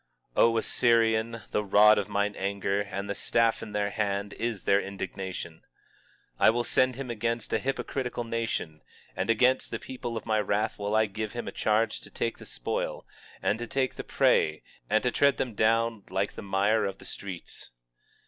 20:5 O Assyrian, the rod of mine anger, and the staff in their hand is their indignation. 20:6 I will send him against a hypocritical nation, and against the people of my wrath will I give him a charge to take the spoil, and to take the prey, and to tread them down like the mire of the streets.